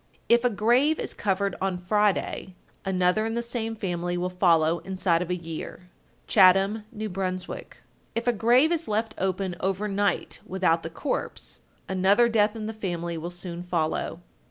If a grave is covered on Friday, another in the same family will follow inside of a year. Chatham, N.B. 1264. If a grave is left open over night without the corpse, another death in the family will soon follow.